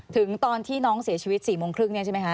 ถึงตอนที่น้องเสียชีวิต๔โมงครึ่งเนี่ยใช่ไหมคะ